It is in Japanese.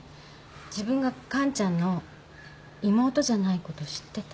自分が完ちゃんの妹じゃないこと知ってた。